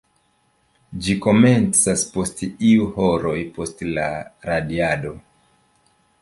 Ĝi komencas post iu horoj post la radiado.